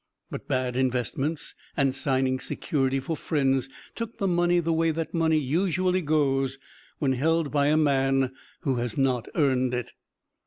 But bad investments and signing security for friends took the money the way that money usually goes when held by a man who has not earned it.